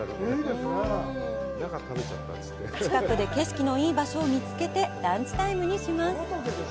近くで景色のいい場所を見つけてランチタイムにします。